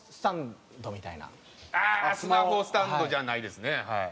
ああスマホスタンドじゃないですね。